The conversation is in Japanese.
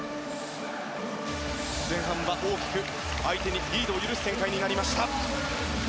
前半は大きく相手にリードを許す展開になりました。